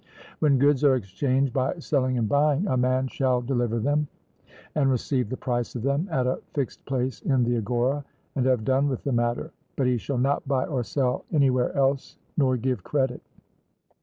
When goods are exchanged by selling and buying, a man shall deliver them, and receive the price of them, at a fixed place in the agora, and have done with the matter; but he shall not buy or sell anywhere else, nor give credit.